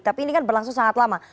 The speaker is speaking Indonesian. tapi ini kan berlangsung sangat lama